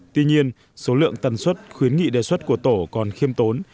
tuy nhiên số lượng tần suất khuyến nghị đề xuất của tổ còn khiêm tốn